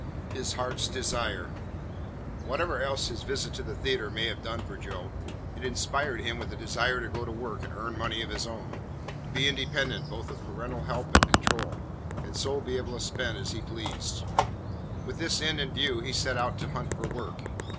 IX HIS HEART'S DESIRE Whatever else his visit to the theatre may have done for Joe, it inspired him with a desire to go to work and earn money of his own, to be independent both of parental help and control, and so be able to spend as he pleased. With this end in view he set out to hunt for work.